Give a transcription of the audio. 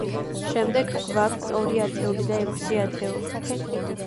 შემდეგ, გვაქვს ორი ათეული და ექვსი ათეული.